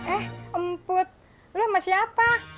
eh emput lo sama siapa